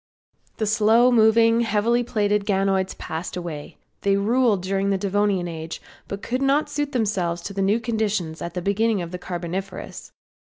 The slow moving, heavily plated ganoids passed away. They ruled during the Devonian age, but could not suit themselves to the new conditions at beginning of the Carboniferous.